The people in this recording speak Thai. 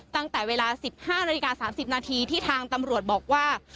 ตั้งแต่เวลา๑๕นาฬิกา๓๐นาทีที่ทางตำรวจบอกว่า